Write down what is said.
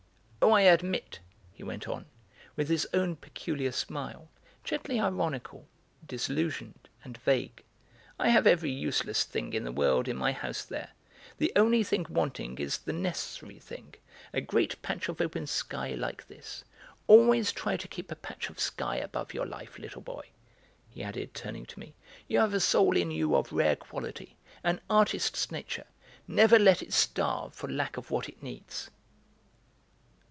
"Oh, I admit," he went on, with his own peculiar smile, gently ironical, disillusioned and vague, "I have every useless thing in the world in my house there. The only thing wanting is the necessary thing, a great patch of open sky like this. Always try to keep a patch of sky above your life, little boy," he added, turning to me. "You have a soul in you of rare quality, an artist's nature; never let it starve for lack of what it needs."